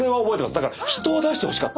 だから人を出してほしかった。